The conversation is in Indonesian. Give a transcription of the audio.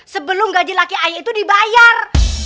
sebelum gaji laki laki saya itu dibayar